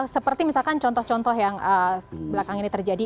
seperti misalkan contoh contoh yang belakang ini terjadi